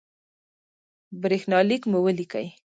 برېښنالک مو ولیکئ